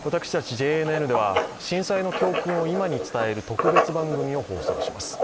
ＪＮＮでは震災を今に伝える特別番組を放送します。